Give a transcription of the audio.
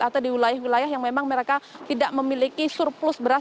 atau di wilayah wilayah yang memang mereka tidak memiliki surplus beras